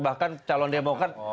bahkan calon demokrat